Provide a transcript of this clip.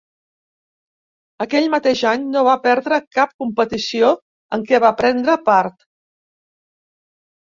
Aquell mateix any no va perdre cap competició en què va prendre part.